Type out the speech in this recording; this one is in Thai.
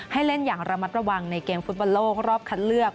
ให้เล่นอย่างระมัดระวังในเกมฟุตบอลโลกรอบคัดเลือก